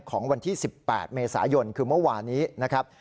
ของวันที่๑๘เมษายนคือเมื่อวานนี้นะครับ